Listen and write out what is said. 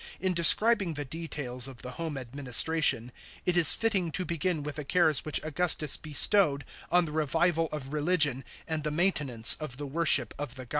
In describing the details of the home administration, it is fitting to begin with the cares which Augustus bestowed on the revival of religion and the maintenance of the worship of the gods.